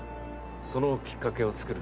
そのきっかけを作る。